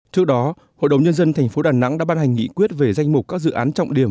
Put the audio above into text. trước đó hội đồng nhân dân tp đà nẵng đã ban hành nghị quyết về danh mục các dự án trọng điểm